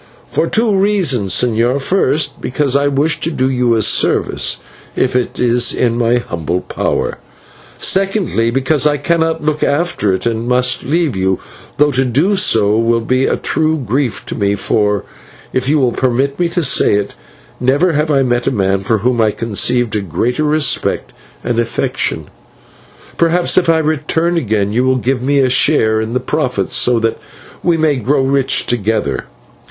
"For two reasons, señor; first, because I wish to do you a service if it is in my humble power, and, secondly, because I cannot look after it and must leave you, though to do so will be a true grief to me, for, if you will permit me to say it, never have I met a man for whom I conceived a greater respect and affection. Perhaps, if I return again, you will give me a share in the profits, so that we may grow rich together.